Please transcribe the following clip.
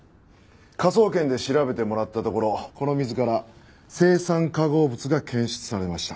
科捜研で調べてもらったところこの水から青酸化合物が検出されました。